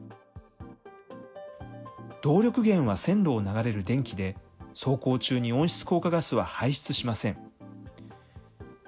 動力源は線路を流れる電気で、走行中に温室効果ガスは排出しません。